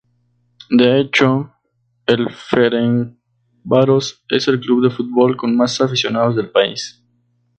De hecho, el Ferencváros es el club de fútbol con más aficionados del país.